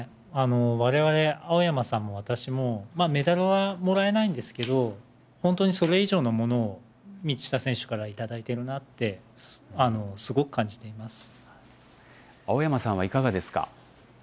われわれ、青山さんも私も、メダルはもらえないんですけど、本当にそれ以上のものを道下選手から頂いてるなって、すごく感じ青山さんはいかがですか。